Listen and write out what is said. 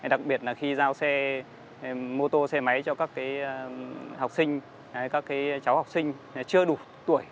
đặc biệt khi giao xe mô tô xe máy cho các cháu học sinh chưa đủ tuổi